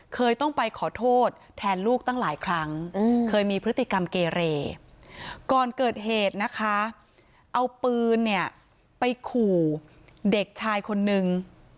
เคยต้องไปขอโทษแทนลูกตั้งหลายครั้งเคยมีพฤติกรรมเกเรก่อนเกิดเหตุนะคะเอาปืนเนี่ยไปขู่เด็กชายคนนึง